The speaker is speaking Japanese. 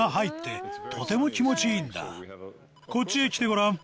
こっちへ来てごらん。